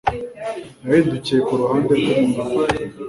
Yahindukiye ku ruhande rw'umugabo